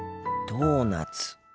ドーナツ。